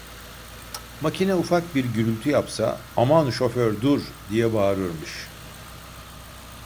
Makine ufak bir gürültü yapsa, "aman şoför dur!" diye bağırırmış.